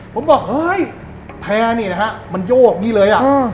ผมบอกเฮ้ยแพร่นี่นะฮะมันโยกอย่างงี้เลยอ่ะอืม